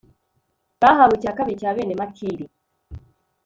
bahawe icya kabiri cya bene makiri